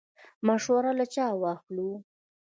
مشوره له چا واخلو؟